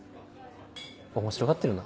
面白がってるな？